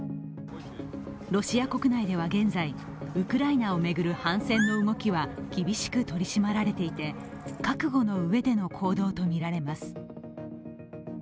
ロシア国内では現在ウクライナを巡る反戦の動きは厳しく取り締まられていて、覚悟の上での行動とみられます。